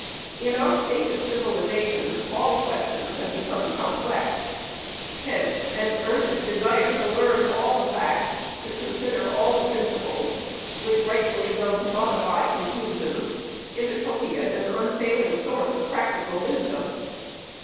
In our state of civilization, all questions have become complex. Hence, an earnest desire to learn all the facts, to consider all the principles, which rightfully go to modify conclusions, is a copious and unfailing source of practical wisdom.